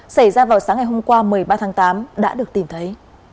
xảy ra vào sáng ngày hôm qua một mươi ba tháng tám đã được tìm thấy